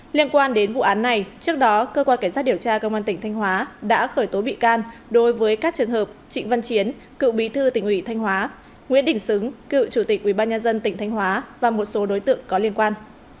liên quan đến vụ án này trước đó cơ quan cảnh sát điều tra công an tỉnh thanh hóa đã khởi tố bị can đối với các trường hợp trịnh văn chiến cựu bí thư tỉnh ủy thanh hóa nguyễn đình xứng cựu chủ tịch ubnd tỉnh thanh hóa và một số đối tượng có liên quan